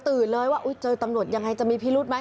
ตื่นเลยว่าเจอตำรวจยังไงจะมีพิรุธไหม